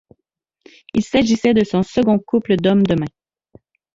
Il s’agissait de son second couple d’hommes de main.